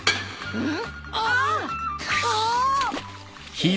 うん。